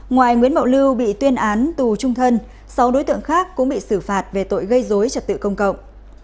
ngoài nguyễn bảo lưu bị tuyên án tù trung thân sáu đối tượng khác cũng bị xử phạt về tội gây dối trật tự công cộng